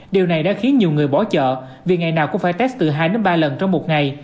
điều này đã khiến nhiều người bỏ chợ vì ngày nào cũng phải test từ hai đến ba lần trong một ngày